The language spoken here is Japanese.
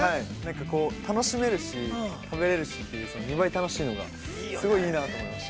こう、楽しめるし、食べれるしっていう２倍楽しいのがすごいいいなと思いました。